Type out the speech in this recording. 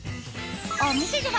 お店では